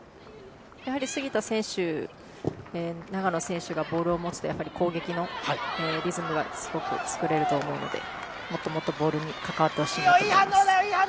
やはり杉田選手、長野選手がボールを持つと攻撃のリズムがすごく作れると思うのでもっともっとボールに関わってほしいと思います。